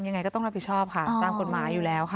ยังไงก็ต้องรับผิดชอบค่ะตามกฎหมายอยู่แล้วค่ะ